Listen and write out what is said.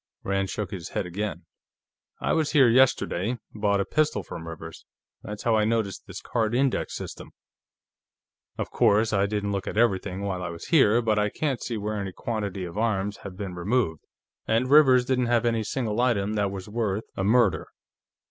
Rand shook his head again. "I was here yesterday; bought a pistol from Rivers. That's how I noticed this card index system. Of course, I didn't look at everything, while I was here, but I can't see where any quantity of arms have been removed, and Rivers didn't have any single item that was worth a murder.